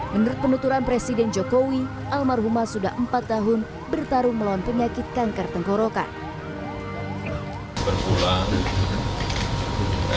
menurut penuturan presiden jokowi almarhumah sudah empat tahun bertarung melawan penyakit kanker tenggorokan